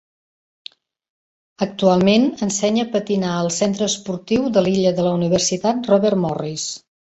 Actualment ensenya a patinar al Centre Esportiu de la Illa de la Universitat Robert Morris.